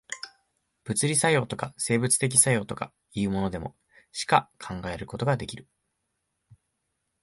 物理作用とか、生物的作用とかいうものでも、しか考えることができる。